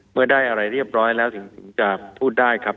เมื่อได้อะไรเรียบร้อยแล้วถึงจะพูดได้ครับ